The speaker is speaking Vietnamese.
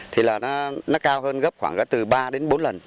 thì là nó cao hơn gấp khoảng từ ba đến bốn lần